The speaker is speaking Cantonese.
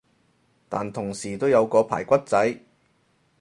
但同時都有個排骨仔